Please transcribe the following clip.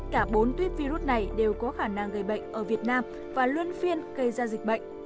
cả bốn tuyết virus này đều có khả năng gây bệnh ở việt nam và luân phiên gây ra dịch bệnh